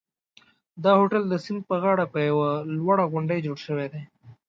دا هوټل د سیند پر غاړه په یوه لوړه غونډۍ جوړ شوی دی.